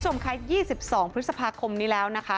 คุณผู้ชมคะ๒๒พฤษภาคมนี้แล้วนะคะ